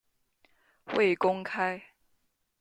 未公开